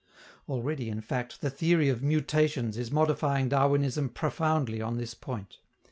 Already, in fact, the theory of mutations is modifying Darwinism profoundly on this point.